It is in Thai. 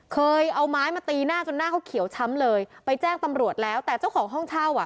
เคยเอาไม้มาตีหน้าจนหน้าเขาเขียวช้ำเลยไปแจ้งตำรวจแล้วแต่เจ้าของห้องเช่าอ่ะ